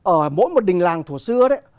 ở mỗi một đình làng thủ xưa đấy